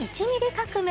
革命